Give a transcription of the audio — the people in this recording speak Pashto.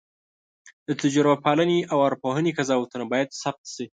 د تجربه پالنې او ارواپوهنې قضاوتونه باید ثبت شي.